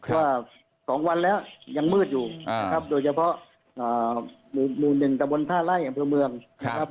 ว่าสองวันแล้วยังมืดอยู่ครับโดยเฉพาะมูลหนึ่งกระบวนท่าไล่อย่างเมืองครับ